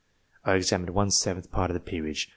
I examined one seventh part of the peerage.